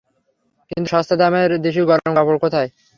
কিন্তু সস্তা দামের দিশি গরম কাপড় কোথায়?